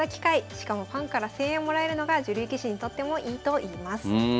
しかもファンから声援もらえるのが女流棋士にとってもいいといいます。